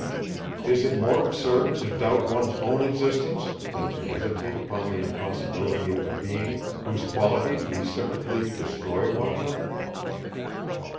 Is it more absurd to doubt one's own existence, than to hesitate upon the impossibility of a being, whose qualities reciprocally destroy one another?